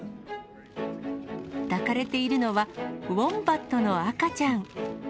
抱かれているのは、ウォンバットの赤ちゃん。